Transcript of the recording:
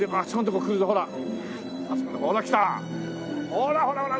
ほらほらほら！